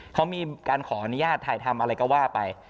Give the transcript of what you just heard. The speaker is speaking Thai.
เขามีการขออนุญาตถ่ายทำอะไรก็ว่าไป